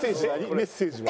メッセージは。